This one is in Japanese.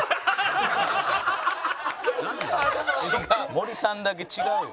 森さんだけ違うよ。